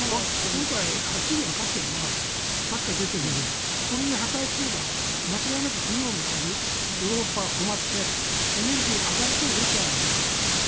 今回はっきりわかっているのはさっきから出ているようにこれを破壊すれば、間違いなく冬を迎えるヨーロッパは困ってエネルギーが上がるとロシアはもうかる。